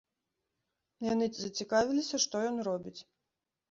Яны зацікавіліся, што ён робіць.